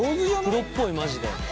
プロっぽいマジで。